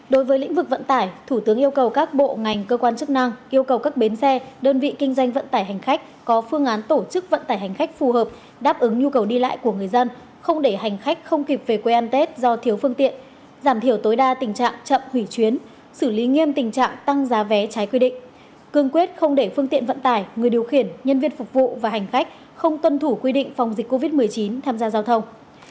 đối với lĩnh vực vận tải thủ tướng yêu cầu các bộ ngành cơ quan chức năng yêu cầu các bến xe đơn vị kinh doanh vận tải hành khách có phương án tổ chức vận tải hành khách phù hợp đáp ứng nhu cầu đi lại của người dân không để hành khách không kịp về quê ăn tết do thiếu phương tiện giảm thiểu tối đa tình trạng chậm hủy chuyến xử lý nghiêm tình trạng tăng giá vé trái quy định cương quyết không để phương tiện vận tải người điều khiển nhân viên phục vụ và hành khách không tuân thủ quy định phòng dịch covid một mươi chín tham gia giao thông